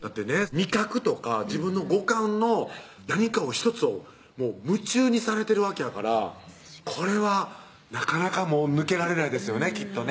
味覚とか自分の五感の１つをもう夢中にされてるわけやからこれはなかなかもう抜けられないですよねきっとね